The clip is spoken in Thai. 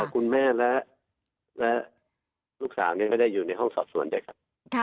คุณแม่และลูกสาวก็ได้อยู่ในห้องสอบสวนใหญ่ครับ